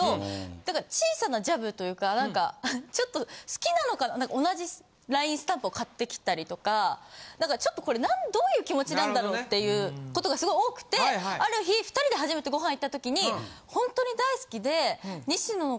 だから小さなジャブというかなんかちょっと好きなのか同じＬＩＮＥスタンプを買ってきたりとかなんかちょっとこれどういう気持ちなんだろう？っていうことがすごい多くてある日２人で初めてご飯行った時に。って言われて。